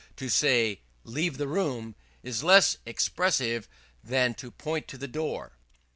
To say, "Leave the room," is less expressive than to point to the door.